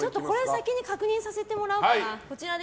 先に確認されてもらおうかな。